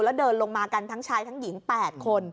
แล้วเดินลงมากันทั้งชายทั้งหญิง๘คน